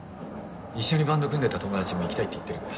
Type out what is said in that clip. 一緒にバンド組んでた友達も行きたいって言ってるんだ。